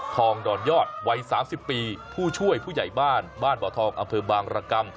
อนยอดวัย๓๐ปีผู้ช่วยผู้ใหญ่บ้านบ้านบ่อทองอำเภอบางรกรรม